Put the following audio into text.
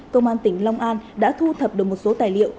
công an tỉnh long an đã thu thập được một số tài liệu